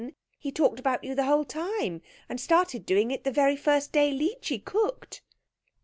He talked about you the whole time, and started doing it the very first day Leechy cooked."